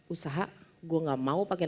usaha gue gak mau pakai